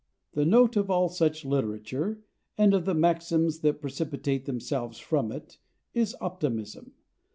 The note of all such literature, and of the maxims that precipitate themselves from it, is optimism.